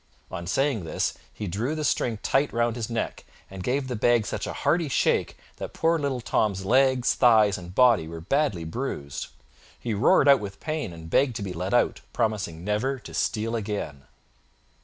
On saying this, he drew the string tight round his neck, and gave the bag such a hearty shake that poor little Tom's legs, thighs and body were sadly bruised. He roared out with pain and begged to be let out, promising never to steal again.